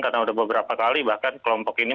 karena sudah beberapa kali bahkan kelompok ini